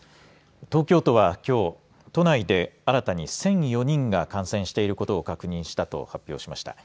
東京都はきょう、都内で新たに１００４人が感染していることを確認したと発表しました。